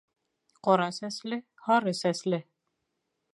Ҡара сәсле, һары сәсле.